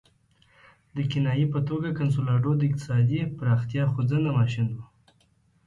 د کنایې په توګه کنسولاډو د اقتصادي پراختیا خوځنده ماشین وو.